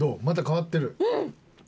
また変わってる？